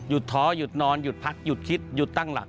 ท้อหยุดนอนหยุดพักหยุดคิดหยุดตั้งหลัก